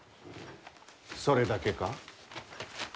それだけか？